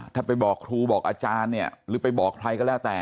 ถ้าไปบอกครูบอกอาจารย์เนี่ยหรือไปบอกใครก็แล้วแต่